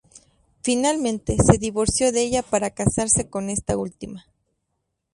Finalmente, se divorció de ella para casarse con esta última.